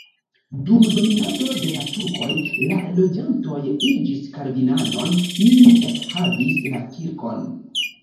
Dum dominado de la turkoj la loĝantoj iĝis kalvinanoj, ili ekhavis la kirkon.